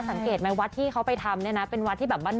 สังเกตไหมวัดที่เขาไปทำเนี่ยนะเป็นวัดที่แบบบ้าน